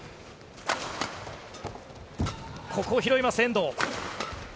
ここを拾います、遠藤。